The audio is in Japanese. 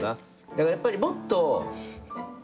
だからやっぱりもっと笑顔。